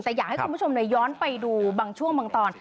แต่อยากให้คุณผู้ชมย้อนไปดูบางช่วงบางตอน